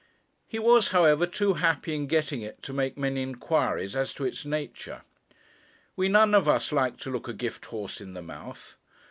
He was, however, too happy in getting it to make many inquiries as to its nature. We none of us like to look a gift horse in the mouth.